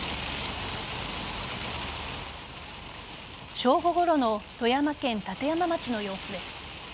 正午ごろの富山県立山町の様子です。